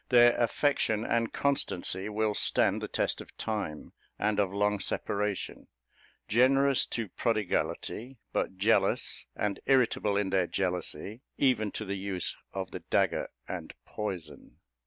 Their affection and constancy will stand the test of time and of long separation; generous to prodigality, but jealous, and irritable in their jealousy, even to the use of the dagger and poison.